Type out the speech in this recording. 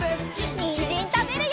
にんじんたべるよ！